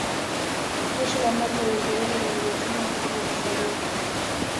Jeshi la maji la Uingereza lililotumwa Afrika Mashariki